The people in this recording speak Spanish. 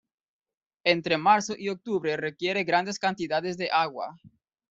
Entre marzo y octubre requiere grandes cantidades de agua.